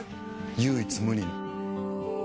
唯一無二の。